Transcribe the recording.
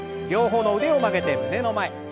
両方の腕を曲げて胸の前。